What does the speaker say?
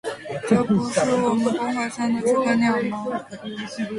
这不是我们崩坏三的知更鸟吗